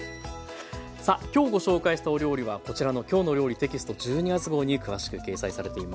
さあ今日ご紹介したお料理はこちらの「きょうの料理」テキスト１２月号に詳しく掲載されています。